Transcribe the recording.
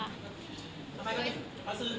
อะไรแบบนี้ไหมครับ